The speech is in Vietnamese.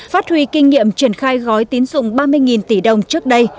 phát huy kinh nghiệm triển khai gói tín dụng ba mươi tỷ đồng trước đây